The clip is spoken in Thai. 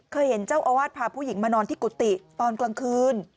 เห็นเจ้าอาวาสพาผู้หญิงมานอนที่กุฏิตอนกลางคืน